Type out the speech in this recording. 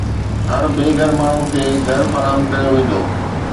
هر بي گهر ماڻهو کي گهر فراهم ڪيو ويندو.